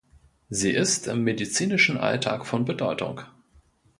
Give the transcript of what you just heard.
Sie ist im medizinischen Alltag von Bedeutung.